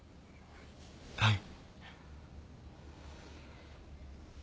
はい。